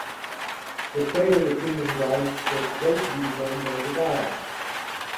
The fate of the king's life was supposed to be determined by the gods.